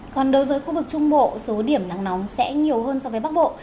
còn đối với khu vực trung bộ số điểm nắng nóng sẽ nhiều hơn so với bắc bộ